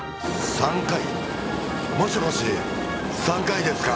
３回もしもし３回ですか？